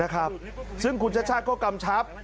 นะครับซึ่งคุณชช่าก็กำชับ